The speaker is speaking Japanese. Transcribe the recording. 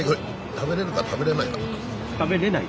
食べれるか食べれないかで食べれない。